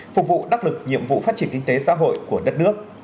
phục vụ đắc lực nhiệm vụ phát triển kinh tế xã hội của đất nước